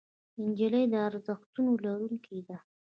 نجلۍ د ارزښتونو لرونکې ده.